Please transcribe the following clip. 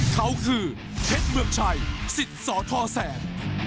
เขาคือเผชเมืองชัยศิษย์สอธอแสน